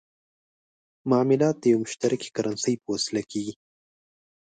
معاملات د یوې مشترکې کرنسۍ په وسیله کېږي.